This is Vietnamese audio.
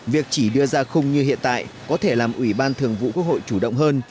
việc chỉ đưa ra khung như hiện tại có thể làm ủy ban thường vụ quốc hội chủ động hơn